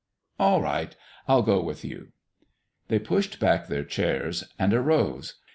All right, I'll go with you." They pushed back their chairs and arose.